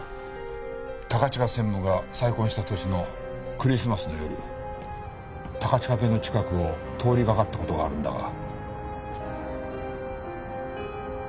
高近専務が再婚した年のクリスマスの夜高近家の近くを通りがかった事があるんだが。